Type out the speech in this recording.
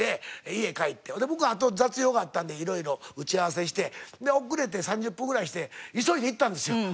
で僕はあと雑用があったんで色々打ち合わせしてで遅れて３０分ぐらいして急いで行ったんですよ。